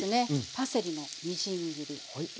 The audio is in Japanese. パセリのみじん切り。